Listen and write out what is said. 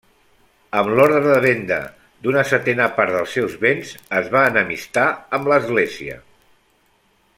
Amb l'ordre de venda d'una setena part dels seus béns, es va enemistar amb l'Església.